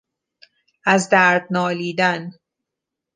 از درد نالیدن